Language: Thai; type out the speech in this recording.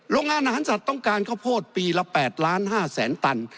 โรงงานอาหารสัตว์ต้องการข้าวโพดปีละ๘๕๐๐๐ตัน